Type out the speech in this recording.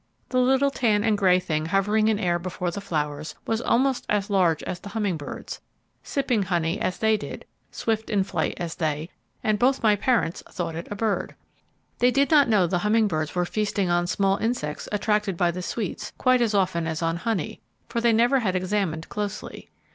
The little tan and grey thing hovering in air before the flowers was almost as large as the humming birds, sipping honey as they did, swift in flight as they; and both my parents thought it a bird. They did not know the humming birds were feasting on small insects attracted by the sweets, quite as often as on honey, for they never had examined closely.